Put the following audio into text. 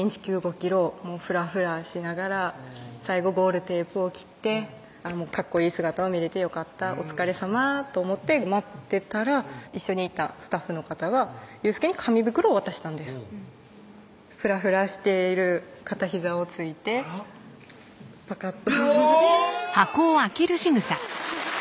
ｋｍをフラフラしながら最後ゴールテープを切ってかっこいい姿を見れてよかったお疲れさまと思って待ってたら一緒にいたスタッフの方が佑輔に紙袋を渡したんですフラフラしている片ひざをついてあらパカッとおぉ！